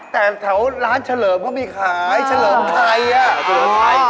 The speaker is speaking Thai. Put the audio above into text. แต่แถวร้านเฉลิมก็ไม่ขายเฉลิมไทย